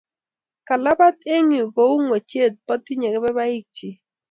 kalabat eng Yu ko uu ngochet be tinye kebebaik chi